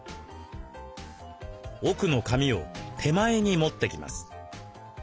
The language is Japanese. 奥の紙を手前に持ってきます。